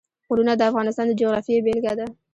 غرونه د افغانستان د جغرافیې بېلګه ده.